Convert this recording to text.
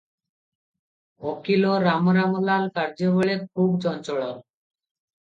ଓକିଲ ରାମ ରାମ ଲାଲ କାର୍ଯ୍ୟବେଳେ ଖୁବ୍ ଚଞ୍ଚଳ ।